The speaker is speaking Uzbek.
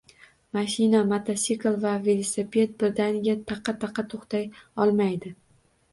Mashina, mototsikl va velosiped birdaniga taqa-taq to‘xtay olmaydi.